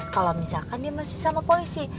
kalo misalkan dia masih sama polisi